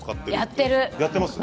やってる。